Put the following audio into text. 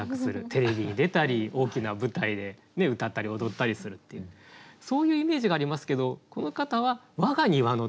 テレビに出たり大きな舞台で歌ったり踊ったりするっていうそういうイメージがありますけどこの方は「我が庭の」っていうね。